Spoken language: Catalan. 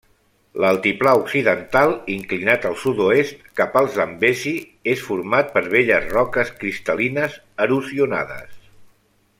L'altiplà occidental, inclinat al sud-oest, cap al Zambezi, és format per velles roques cristal·lines erosionades.